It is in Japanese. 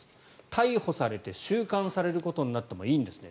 逮捕されて収監されることになってもいいんですね。